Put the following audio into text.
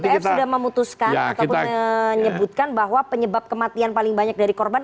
bpf sudah memutuskan ataupun menyebutkan bahwa penyebab kematian paling banyak dari korban